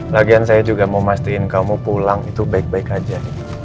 lagian saya juga mau mastuin kamu pulang itu baik baik aja